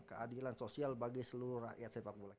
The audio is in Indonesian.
keadilan sosial bagi seluruh rakyat sepak bola kita